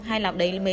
hay là đấy mới chỉ là